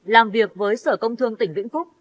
làm việc với sở công thương tỉnh vĩnh phúc